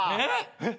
えっ！？